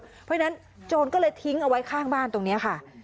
เพราะฉะนั้นโจรก็เลยทิ้งเอาไว้ข้างบ้านตรงนี้ค่ะ